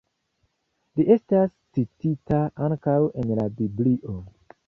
Ĝi estas citita ankaŭ en la Biblio.